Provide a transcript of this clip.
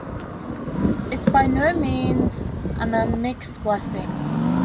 It's by no means an unmixed blessing.